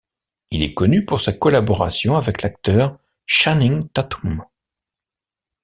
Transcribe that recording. Il est connu pour sa collaboration avec l'acteur Channing Tatum.